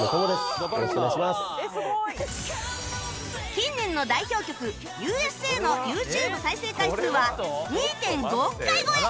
近年の代表曲『Ｕ．Ｓ．Ａ．』の ＹｏｕＴｕｂｅ 再生回数は ２．５ 億回超え